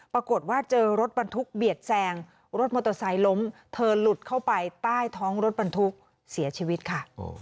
ปรากฏว่าเจอรถบรรทุกเบียดแซงรถมอเตอร์ไซค์ล้มเธอหลุดเข้าไปใต้ท้องรถบรรทุกเสียชีวิตค่ะ